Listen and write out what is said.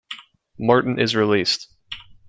Martin is released.